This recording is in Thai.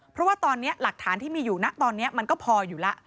เพราะว่าตอนนี้หลักฐานที่มีอยู่นะตอนนี้มันก็พออยู่แล้ว